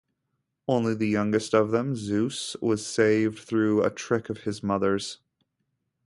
Only the youngest of them, Zeus, was saved through a trick of his mother's.